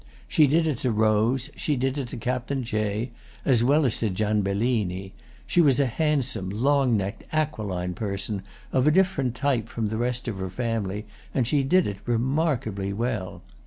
She did it to Rose, she did it to Captain Jay, as well as to Gianbellini; she was a handsome, long necked, aquiline person, of a different type from the rest of her family, and she did it remarkably well.